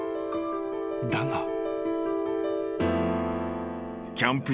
［だが］